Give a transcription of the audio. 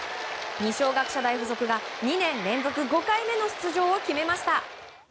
二松学舎大付属が２年連続５回目の出場を決めました。